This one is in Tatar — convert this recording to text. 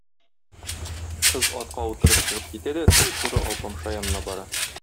Кыз атка утырып чыгып китә дә туп-туры Алпамша янына бара.